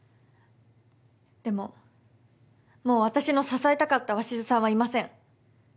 でももう私の支えたかった鷲津さんはいません。